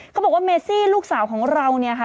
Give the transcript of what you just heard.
บอกว่าเมซี่ลูกสาวของเราเนี่ยค่ะ